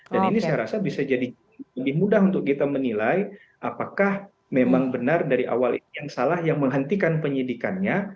dan ini saya rasa bisa jadi lebih mudah untuk kita menilai apakah memang benar dari awal ini yang salah yang menghentikan penyidikannya